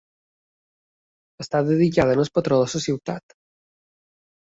Està dedicada al patró de la ciutat.